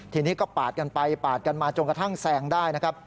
ทีนี้ก็ปาดกันไปปาดกันมาจนกระทั่งแซงได้นะครับ